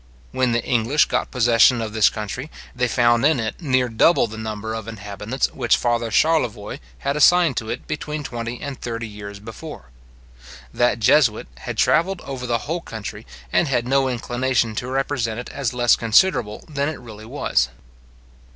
When the English got possession of this country, they found in it near double the number of inhabitants which father Charlevoix had assigned to it between twenty and thirty years before. That jesuit had travelled over the whole country, and had no inclination to represent it as less inconsiderable than it really was.